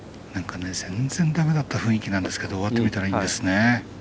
全然だめな雰囲気だったんですけど終わってみたら、いいんですね。